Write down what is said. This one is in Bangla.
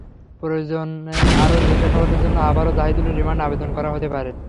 প্রয়োজনে আরও জিজ্ঞাসাবাদের জন্য আবারও জাহিদুলের রিমান্ড আবেদন করা হতে পারে।